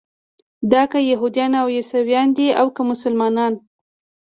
دا که یهودیان او عیسویان دي او که مسلمانان.